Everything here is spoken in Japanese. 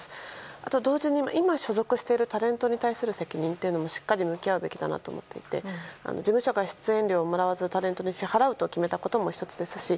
あと、同時に今所属しているタレントに対する責任というのもしっかり向き合うべきだと思っていて事務所が出演料をもらわずタレントに支払うと決めたことも１つですし。